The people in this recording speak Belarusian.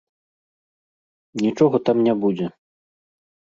Нічога там не будзе.